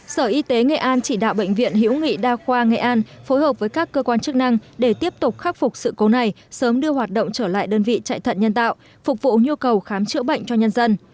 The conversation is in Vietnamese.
sở y tế nghệ an chỉ đạo bệnh viện hiễu nghị đa khoa nghệ an phối hợp với các cơ quan chức năng để tiếp tục khắc phục sự cố này sớm đưa hoạt động trở lại đơn vị chạy thận nhân tạo phục vụ nhu cầu khám chữa bệnh cho nhân dân